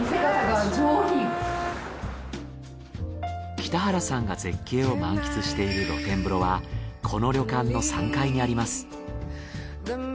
北原さんが絶景を満喫している露天風呂はこの旅館の３階にあります。